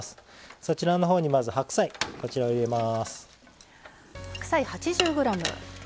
そちらのほうにまず白菜こちらを入れます。